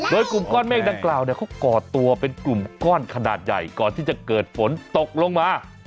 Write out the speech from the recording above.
โดยกลุ่มก้อนเมฆดังกล่าวเขาก่อตัวเป็นกลุ่มก้อนขนาดใหญ่ก่อนที่จะเกิดฝนตกลงมา